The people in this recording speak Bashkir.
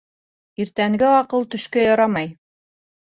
Иртәнге аҡыл төшкә ярамай